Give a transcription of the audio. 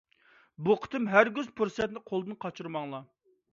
بۇ قېتىم ھەرگىز پۇرسەتنى قولدىن قاچۇرماڭلار!